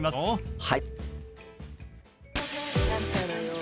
はい。